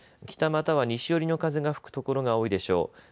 北または西寄りの風が吹くところが多いでしょう。